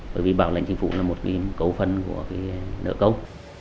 bởi vì bảo lệnh chính phủ là một cấu phân của cái nợ công